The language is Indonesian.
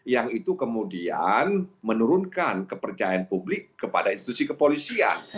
dan kemudian itu menurunkan kepercayaan publik kepada institusi kepolisian